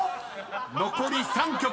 ［残り３曲。